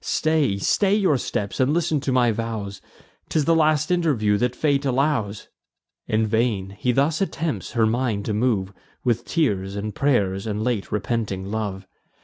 Stay, stay your steps, and listen to my vows: 'Tis the last interview that fate allows!" In vain he thus attempts her mind to move With tears, and pray'rs, and late repenting love.